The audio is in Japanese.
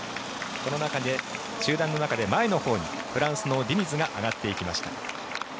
この集団の中で前のほうにフランスのディニズが上がっていきました。